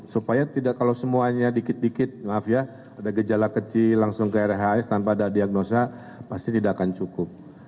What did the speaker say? supaya tidak kalau semuanya dikit dikit maaf ya ada gejala kecil langsung ke rhs tanpa ada diagnosa pasti tidak akan cukup